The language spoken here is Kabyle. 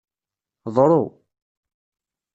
Ḍru.